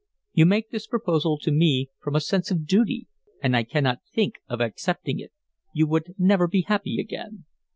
You make this proposal to me from a sense of duty, and I cannot think of accepting it. You would never be happy again."